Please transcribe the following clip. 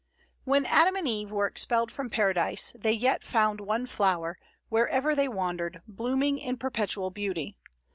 When Adam and Eve were expelled from Paradise, they yet found one flower, wherever they wandered, blooming in perpetual beauty.